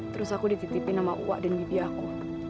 terus aku dititipin nama uak dan bibi aku